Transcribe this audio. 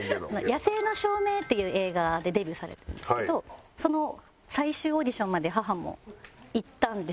『野性の証明』っていう映画でデビューされたんですけどその最終オーディションまで母もいったんです。